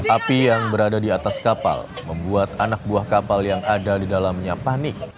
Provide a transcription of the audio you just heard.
api yang berada di atas kapal membuat anak buah kapal yang ada di dalamnya panik